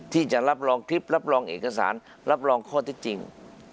ที่จะรับรองคลิปรับรองเอกสารรับรองข้อที่จริง